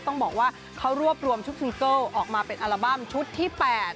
ต้องบอกว่าเขารวบรวมชุดซิงเกิลออกมาเป็นอัลบั้มชุดที่๘